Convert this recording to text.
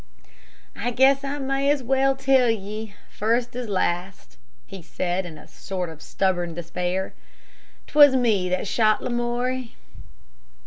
"I guess I may as well tell ye, first as last," he said, in a sort of stubborn despair. "'T was me that shot Lamoury."